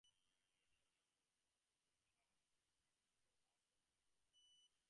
The regime had plans to transform the delta into a large agro-industrial zone.